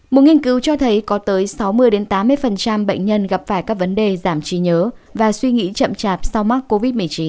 một nghiên cứu cho thấy có tới sáu mươi tám mươi bệnh nhân gặp phải các vấn đề giảm trí nhớ và suy nghĩ chậm chạp sau mắc covid một mươi chín